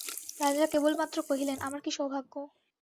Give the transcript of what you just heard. রাজা কেলবমাত্র কহিলেন, আমার কী সৌভাগ্য!